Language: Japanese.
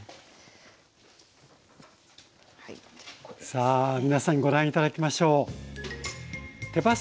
さあ皆さんご覧頂きましょう。